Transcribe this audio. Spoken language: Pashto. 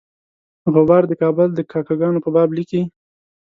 غبار د کابل د کاکه ګانو په باب لیکي.